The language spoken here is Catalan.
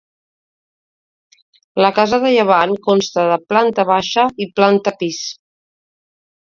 La casa de llevant, consta de planta baixa i planta pis.